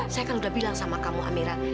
saya kan udah bilang sama kamu amira